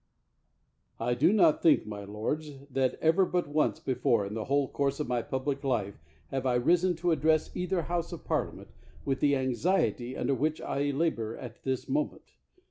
I DO not think, my lords, that ever but once before in the whole course of my public life have I risen to address either House of Parlia ment with the anxiety under which I labor at this moment.